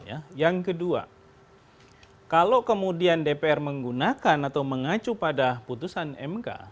yang kedua kalau kemudian dpr menggunakan atau mengacu pada putusan mk